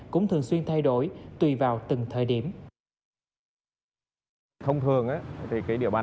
cũng thường xuyên thay đổi tùy vào từng thời điểm